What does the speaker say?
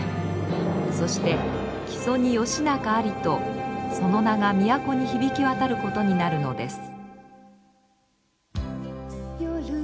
そして木曽に義仲ありとその名が都に響き渡ることになるのです。